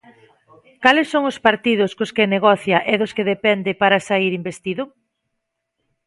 Cales son os partidos cos que negocia e dos que depende para saír investido?